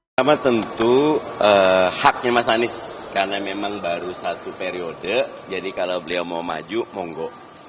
pertama tentu haknya mas anies karena memang baru satu periode jadi kalau beliau mau maju monggo